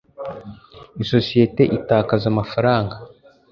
isosiyete itakaza amafaranga